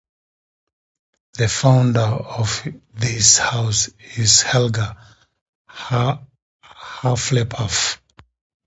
The founder of this house is Helga Hufflepuff.